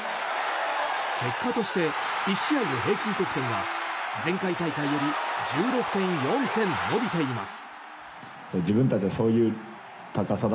結果として１試合の平均得点は前回大会より１６．４点伸びています。